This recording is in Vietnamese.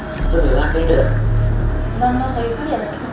tôi thấy là cái lợi